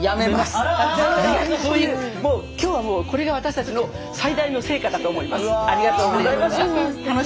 もう今日はもうこれが私たちの最大の成果だと思います。